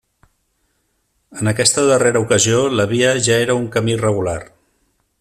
En aquesta darrera ocasió la via ja era un camí regular.